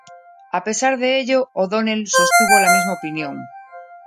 A pesar de ello O'Donnell sostuvo la misma opinión.